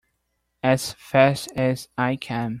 As fast as I can!